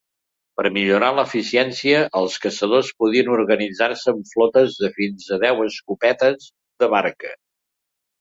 Per millorar l'eficiència, els caçadors podien organitzar-se en flotes de fins a deu escopetes de barca.